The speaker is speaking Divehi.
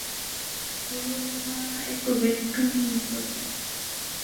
ހުޅުވުމާއިއެކު ވެއްޓުނީ ފޮތެއް